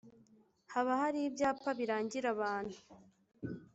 Haba hari ibyapa birangira abantu